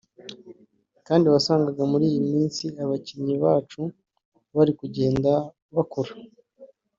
kandi wasangaga muri iyi minsi abakinnyi bacu bari kugenda bakura”